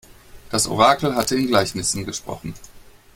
Das Orakel hatte in Gleichnissen gesprochen.